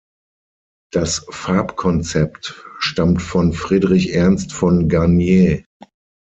Das Farbkonzept stammt von Friedrich Ernst von Garnier.